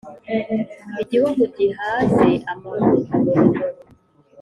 igihugu gihaze amahugu